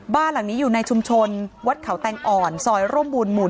บ้านหลังนี้อยู่ในชุมชนวัดเขาแตงอ่อนซอยร่มบุญหมู่๑